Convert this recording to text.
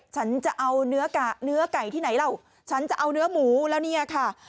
ฉันจะเอาเนื้อไก่ที่ไหนล่ะฉันจะเอาเนื้อหมูแล้วเนี่ยค่ะ